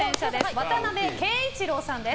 渡邉佳一郎さんです。